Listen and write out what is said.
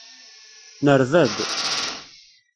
Nerba-d.